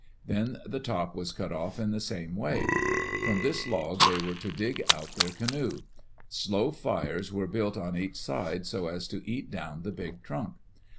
Then the top was cut off in the same way. From this log they were to dig out their canoe. Slow fires were built on each side, so as to eat down the big trunk.